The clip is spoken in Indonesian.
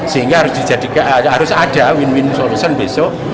sehingga harus ada win win solution besok